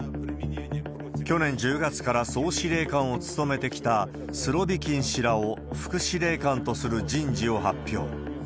去年１０月から総司令官を務めてきたスロビキン氏らを副司令官とする人事を発表。